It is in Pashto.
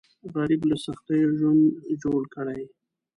غریب له سختیو ژوند جوړ کړی